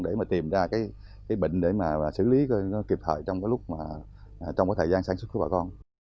để mà tìm ra cái bệnh để mà xử lý nó kịp thời trong cái lúc mà trong cái thời gian sản xuất của bà con